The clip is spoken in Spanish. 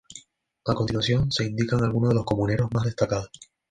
A continuación se indican algunos de los comuneros más destacados.